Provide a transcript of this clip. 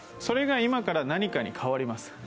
それが今から何かに変わります。